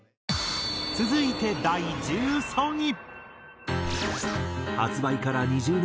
続いて第１３位。